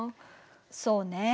そうね。